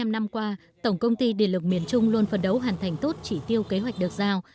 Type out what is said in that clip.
bảy mươi năm năm qua tổng công ty điện lực miền trung luôn phấn đấu hoàn thành tốt chỉ tiêu kế hoạch được giao